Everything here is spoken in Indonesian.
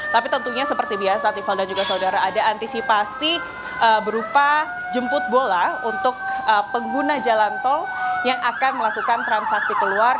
tapi tentunya seperti biasa tiffan dan juga saudara ada antisipasi berupa jemput bola untuk pengguna jalan tol yang akan melakukan transaksi keluar